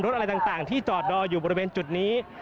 อะไรต่างที่จอดรออยู่บริเวณจุดนี้